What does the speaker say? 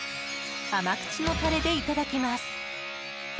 甘口のタレでいただきます。